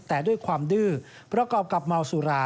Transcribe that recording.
แต่ด้วยความดื้อประกอบกับเมาสุรา